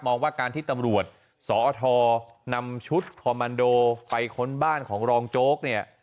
ว่าการที่ตำรวจสอทนำชุดคอมมันโดไปค้นบ้านของรองโจ๊กเนี่ย